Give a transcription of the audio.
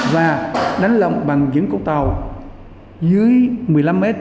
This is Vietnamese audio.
và đánh lộng bằng những cái tàu dưới một mươi năm mét